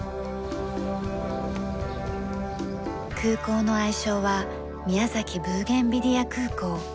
空港の愛称は宮崎ブーゲンビリア空港。